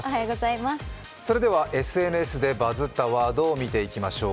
それではＳＮＳでバズったワードを見ていきましょう。